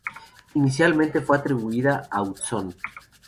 Inicialmente fue atribuida a Utzon.